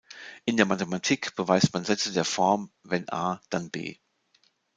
In der Mathematik beweist man Sätze der Form "Wenn A, dann B".